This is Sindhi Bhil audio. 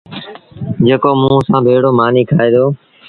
جيڪو موٚنٚ سآݩٚ ڀيڙو مآݩيٚ کآئي دو